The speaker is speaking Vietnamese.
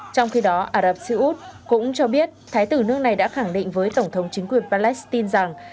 trong khi đó ả rập xê út cũng cho biết thái tử nước này đã khẳng định với tổng thống chính quyền palestine rằng